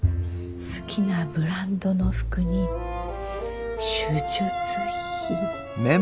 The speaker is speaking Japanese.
好きなブランドの服に手術費。